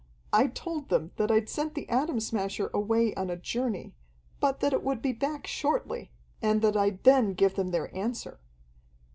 I told them that I'd sent the Atom Smasher away on a journey, but that it would be back shortly, and that I'd then give them their answer.